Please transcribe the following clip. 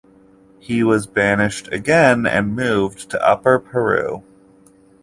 He was banished again, and moved to Upper Peru.